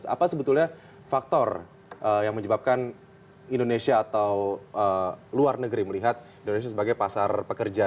apa sebetulnya faktor yang menyebabkan indonesia atau luar negeri melihat indonesia sebagai pasar pekerja